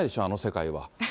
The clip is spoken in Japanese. あの世界は。